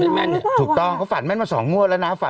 แม่นตรงบางอย่างกว่าถูกต้องเขาฝันแม่นมาสองมวดแล้วนะฮะ